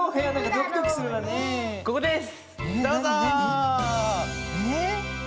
ここです。